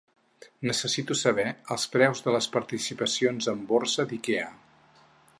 Necessito saber els preus de les participacions en borsa d'Ikea.